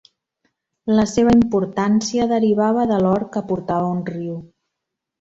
La seva importància derivava de l'or que portava un riu.